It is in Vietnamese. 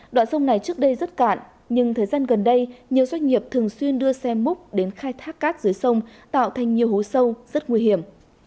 đoạn sông này trước đây rất cạn nhưng thời gian gần đây nhiều doanh nghiệp thường xuyên đưa xe múc đến khai thác cát dưới sông tạo thành nhiều hố sâu rất nguy hiểm